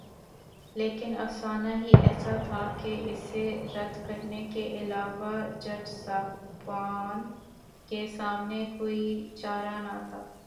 لیکن افسانہ ہی ایسا تھا کہ اسے رد کرنے کے علاوہ جج صاحبان کے سامنے کوئی چارہ نہ تھا۔